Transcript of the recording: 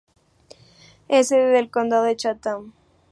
Es sede del condado de Chatham.